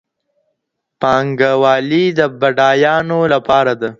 پانګه والي د بډایانو لپاره ده.